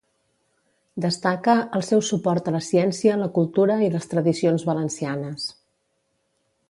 Destaca el "seu suport a la ciència, la cultura i les tradicions valencianes".